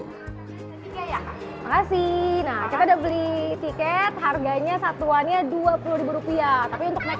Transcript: oke makasih nah kita udah beli tiket harganya satuannya dua puluh rupiah tapi untuk naik